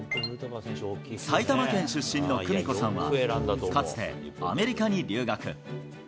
埼玉県出身の久美子さんはかつてアメリカに留学。